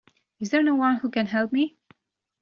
Is there no one who can help me?